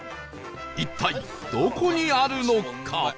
一体どこにあるのか？